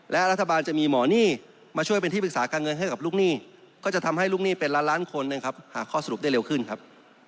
และรัฐบาลจะมีหมอหนี้มาช่วยเป็นที่ปรึกษาการเงินให้กับลูกหนี้ก็จะทำให้ลูกหนี้เป็นล้านล้านคนนะครับหาข้อสรุปได้เร็วขึ้นครับ